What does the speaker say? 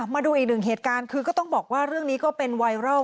มาดูอีกหนึ่งเหตุการณ์คือก็ต้องบอกว่าเรื่องนี้ก็เป็นไวรัล